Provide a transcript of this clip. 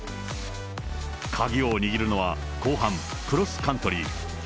鍵を握るのは後半、クロスカントリー。